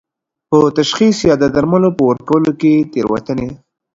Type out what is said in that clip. په تشخیص یا د درملو په ورکولو کې تېروتنې